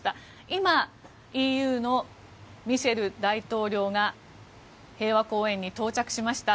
今、ＥＵのミシェル大統領が平和公園に到着しました。